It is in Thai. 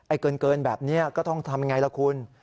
เกินแบบนี้ก็ต้องทำอย่างไรล่ะคุณ